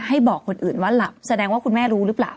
ให้บอกคนอื่นว่าหลับแสดงว่าคุณแม่รู้หรือเปล่า